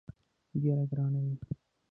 ډېره ګرانه وي.